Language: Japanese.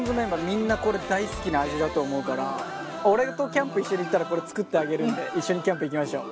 みんなこれ大好きな味だと思うから俺とキャンプ一緒に行ったらこれ作ってあげるんで一緒にキャンプ行きましょう。